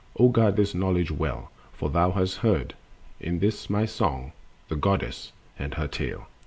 O guard this knowledge well, for thou hast heard In this my song the Goddess and her tale.